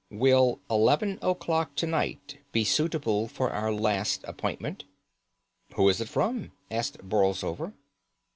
"Will eleven o'clock to night be suitable for our last appointment?" "Who is it from?" asked Borlsover.